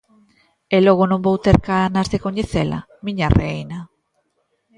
E logo non vou ter ganas de coñecela, miña reina...